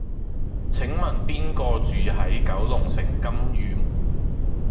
請問邊個住喺九龍城金·御門？